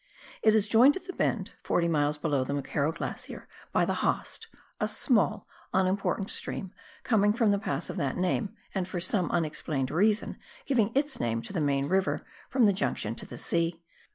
It is joined at the bend, 40 miles below the McKerrow Glacier, by the Haast, a small, unimportant stream, coming from the pass of that name, and for some unexplained reason giving its name to the main river from the junction to the sea.